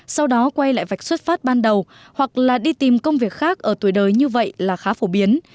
sau đó quay lại vạch xuất phát ban đầu hoặc là đi tìm công việc khác ở tuổi đời như vậy là khá phổ biến